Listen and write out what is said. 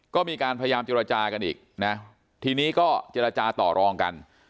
ก็มีการพยายามเจรจากันอีกนะทีนี้ก็เจรจาต่อรองกัน